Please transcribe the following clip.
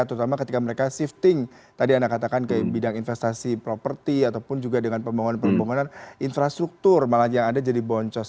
terutama ketika mereka shifting tadi anda katakan ke bidang investasi properti ataupun juga dengan pembangunan pembangunan infrastruktur malah yang ada jadi boncos